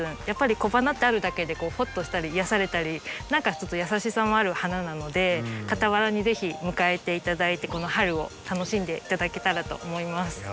やっぱり小花ってあるだけでほっとしたり癒やされたり何かちょっと優しさもある花なので傍らに是非迎えて頂いてこの春を楽しんで頂けたらと思います。